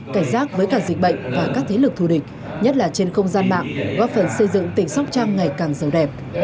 cảnh giác với cả dịch bệnh và các thế lực thù địch nhất là trên không gian mạng góp phần xây dựng tỉnh sóc trăng ngày càng giàu đẹp